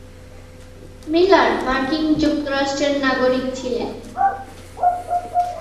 Miller মার্কিন যুক্তরাষ্ট্রের নাগরিক ছিলেন।